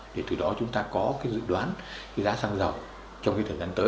thì từ đó chúng ta có dự đoán giá xăng dầu trong thời gian tới